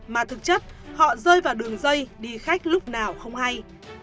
mà thực chất họ rơi vào đường dây đi khách lúc nào không hay